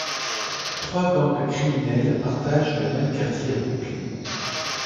Trois gangs criminels partagent le même quartier à Brooklyn.